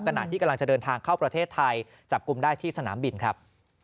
ขณะที่กำลังจะเดินทางเข้าประเทศไทยจับกลุ่มได้ที่สนามบินครับ